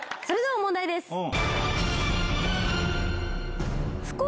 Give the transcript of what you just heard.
それでは問題です。